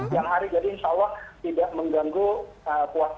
yang hari jadi insya allah tidak mengganggu puasa